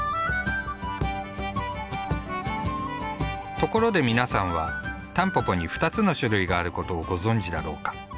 ところで皆さんはタンポポに２つの種類があることをご存じだろうか？